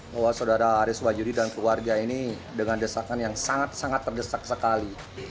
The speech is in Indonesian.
bahwa saudara aris wahyudi dan keluarga ini dengan desakan yang sangat sangat terdesak sekali